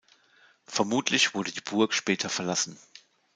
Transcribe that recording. Vermutlich wurde die Burg später verlassen.